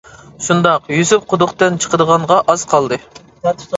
شۇنداق يۈسۈپ قۇدۇقتىن چىقىدىغانغا ئاز قالدى.